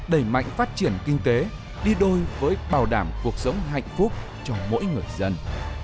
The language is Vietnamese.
đẩy mạnh phát triển kinh tế đi đôi với bảo đảm cuộc sống hạnh phúc cho mỗi người dân